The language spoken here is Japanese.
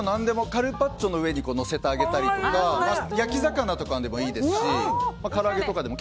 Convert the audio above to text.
カルパッチョの上にのせてあげたりとか焼き魚とかでもいいですしから揚げとかでも。